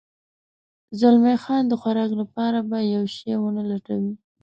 زلمی خان د خوراک لپاره به یو شی و نه لټوې؟